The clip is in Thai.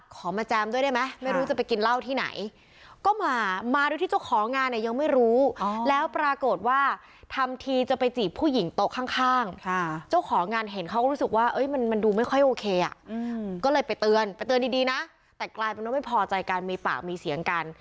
ก็เลยไปเตือนไปเตือนดีนะแต่ไกล่บางติไม่พอใจกันมีปามีเสียงกัน